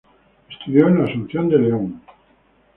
Estudió en La Asunción de León.